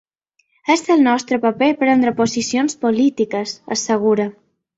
És el nostre paper prendre posicions polítiques, assegura.